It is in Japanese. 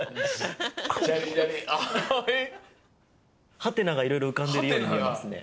はてながいろいろうかんでるようにみえますね。